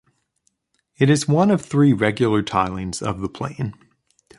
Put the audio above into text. It is one of three regular tilings of the plane.